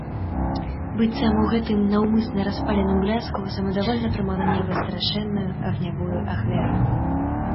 Быццам у гэтым наўмысна распаленым бляску самадавольна прымала неба страшэнную агнявую ахвяру.